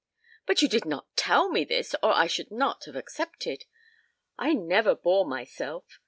"But you did not tell me this or I should not have accepted. I never bore myself.